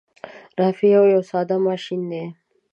رافعه یو ساده ماشین دی.